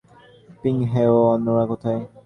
Ping হে ও অন্যরা কোথায়?